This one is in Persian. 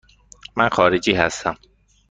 من خارجی هستم.